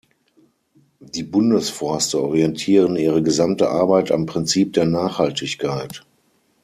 Die Bundesforste orientieren ihre gesamte Arbeit am Prinzip der Nachhaltigkeit.